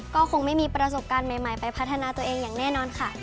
ก็คงไม่มีประสบการณ์ใหม่ไปพัฒนาตัวเองอย่างแน่นอนค่ะ